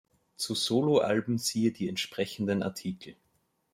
Zu Soloalben siehe die entsprechenden Artikel.